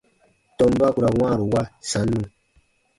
Tɔmba ku ra wãaru wa sannu.